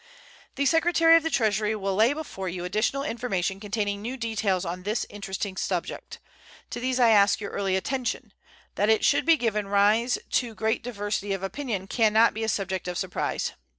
The Secretary of the Treasury will lay before you additional information containing new details on this interesting subject. To these I ask your early attention. That it should have given rise to great diversity of opinion can not be a subject of surprise.